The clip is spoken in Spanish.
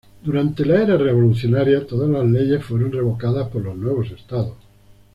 Durante la era revolucionaria, todas las leyes fueron revocadas por los nuevos estados.